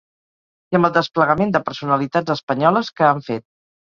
I amb el desplegament de personalitats espanyoles que han fet.